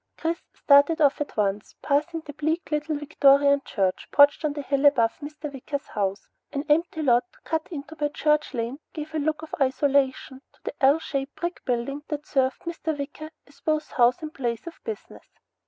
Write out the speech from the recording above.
Chris started off once more, passing the bleak little Victorian church perched on the hill above Mr. Wicker's house. An empty lot cut into by Church Lane gave a look of isolation to the L shaped brick building that served Mr. Wicker as both house and place of business.